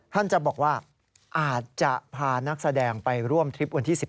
ท่านจะบอกว่าอาจจะพานักแสดงไปร่วมทริปวันที่๑๘